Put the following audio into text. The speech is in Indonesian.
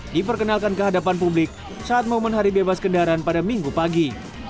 diperkenalkan ke hadapan publik saat momen hari bebas kendaraan pada minggu pagi